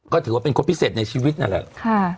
ก็ถือว่าเป็นคนพิเศษในชีวิตนั่นแหละ